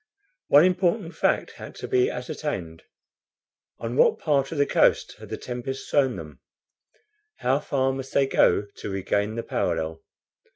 One important fact had to be ascertained. On what part of the coast had the tempest thrown them? How far must they go to regain the parallel.